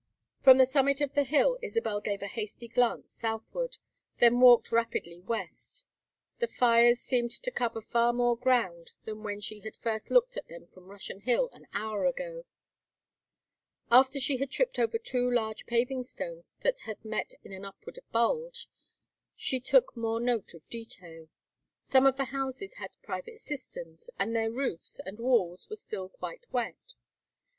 From the summit of the hill Isabel gave a hasty glance southward, then walked rapidly west; the fires seemed to cover far more ground than when she had first looked at them from Russian Hill, an hour ago. After she had tripped over two large paving stones that had met in an upward bulge, she took more note of detail. Some of the houses had private cisterns, and their roofs and walls were still quite wet.